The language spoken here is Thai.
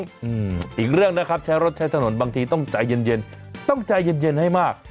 อีกเรื่องนะครับใช้รถใช้ถนนบางทีต้องใจเย็นเย็นต้องใจเย็นเย็นให้มาก